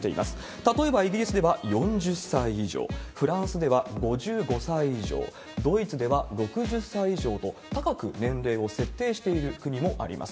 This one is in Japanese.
例えばイギリスでは４０歳以上、フランスでは５５歳以上、ドイツでは６０歳以上と、高く年齢を設定している国もあります。